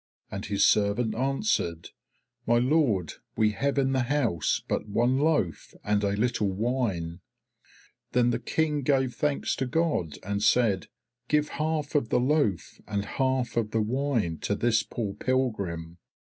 And his servant answered, 'My Lord, we have in the house but one loaf and a little wine.' Then the King gave thanks to God, and said, 'Give half of the loaf and half of the wine to this poor pilgrim.'